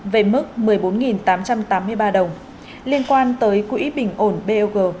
về mức một mươi bốn tám trăm tám mươi ba đồng liên quan tới quỹ bình ổn bog